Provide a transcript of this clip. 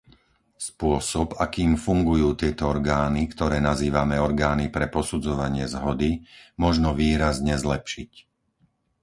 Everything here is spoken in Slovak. Spôsob, akým fungujú tieto orgány, ktoré nazývame orgány pre posudzovanie zhody, možno výrazne zlepšiť.